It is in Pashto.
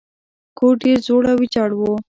کور ډیر زوړ او ویجاړ و.